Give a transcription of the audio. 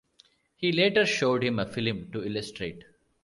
He later showed him a film to illustrate.